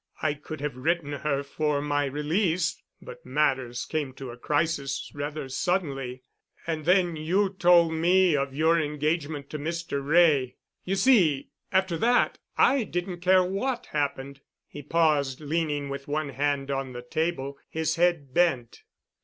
I could have written her for my release—but matters came to a crisis rather suddenly. And then you told me of your engagement to Mr. Wray. You see, after that I didn't care what happened." He paused, leaning with one hand on the table, his head bent.